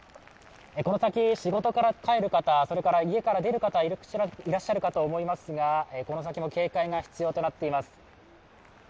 この先、仕事から帰る方、家から出る方、いらっしゃると思いますがこの先の警戒が必要となっています。